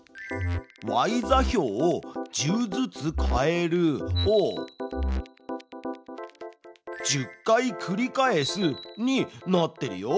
「ｙ座標を１０ずつ変える」を「１０回繰り返す」になってるよ。